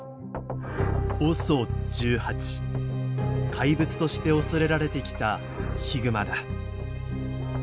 怪物として恐れられてきたヒグマだ。